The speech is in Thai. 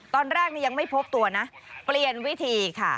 กุมตัวนะเปลี่ยนวิธีค่ะ